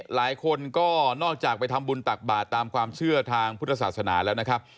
หลายคนก็นอกจากไปทำบุญตักบาทตามความเชื่อทางพุทธศาสนาแล้วนะครับ